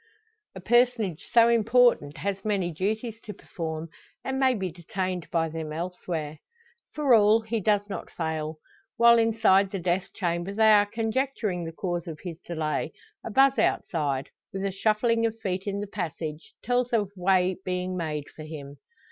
A personage so important has many duties to perform, and may be detained by them elsewhere. For all, he does not fail. While inside the death chamber they are conjecturing the cause of his delay, a buzz outside, with a shuffling of feet in the passage, tells of way being made for him.